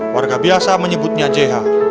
warga biasa menyebutnya jeha